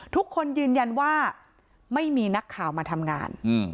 ทุกคนยืนยันว่าไม่มีนักข่าวมาทำงาน